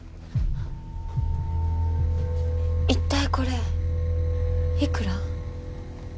一体これいくら？